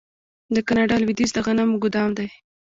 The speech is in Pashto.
د کاناډا لویدیځ د غنمو ګدام دی.